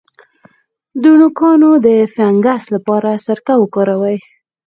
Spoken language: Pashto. د نوکانو د فنګس لپاره سرکه وکاروئ